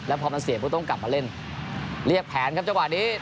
พอมันเสียก็ต้องกลับมาเล่นเรียกแผนครับจังหวะนี้